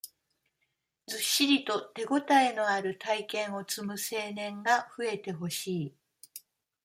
ずっしりと手応えのある体験を積む青年が増えてほしい。